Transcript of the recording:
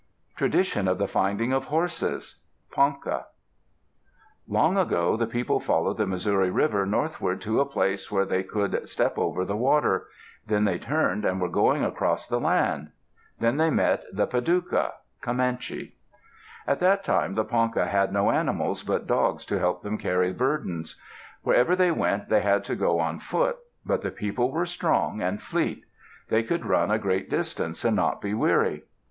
TRADITION OF THE FINDING OF HORSES Ponca Long ago, the people followed the Missouri River northward to a place where they could step over the water. Then they turned, and were going across the land. Then they met the Padouca [Comanche]. At that time the Ponca had no animals but dogs to help them carry burdens. Wherever they went they had to go on foot, but the people were strong and fleet. They could run a great distance and not be weary.